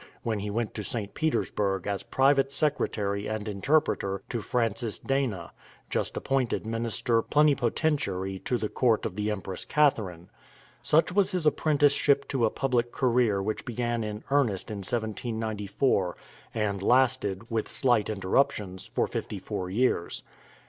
when he went to St. Petersburg as private secretary and interpreter to Francis Dana, just appointed minister plenipotentiary to the court of the Empress Catherine. Such was his apprenticeship to a public career which began in earnest in 1794, and lasted, with slight interruptions, for fifty four years.